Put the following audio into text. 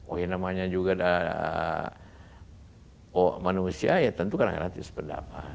oh ya namanya juga manusia ya tentu kadang kadang tidak sependapat